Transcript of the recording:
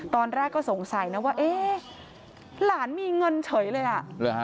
ตอนแรกก็สงสัยนะว่าเอ๊ะหลานมีเงินเฉยเลยอ่ะ